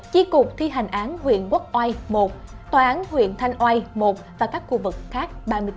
chi cục thi hành án huyện quốc oai một tòa án huyện thanh oai một và các khu vực khác ba mươi bốn